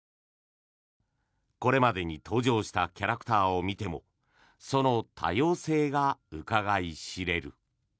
これまでに登場したキャラクターを見てもその多様性がうかがい知れる。